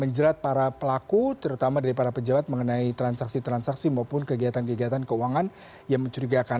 menjerat para pelaku terutama dari para pejabat mengenai transaksi transaksi maupun kegiatan kegiatan keuangan yang mencurigakan